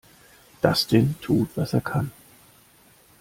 Dustin tut, was er kann.